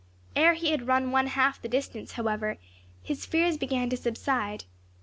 Ere he had run one half the distance, however, his fears began to subside.